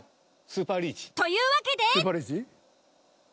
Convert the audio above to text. スーパーリーチ。というわけで。